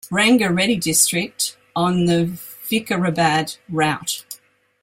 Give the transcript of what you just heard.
Ranga Reddy District on the Vikarabad route.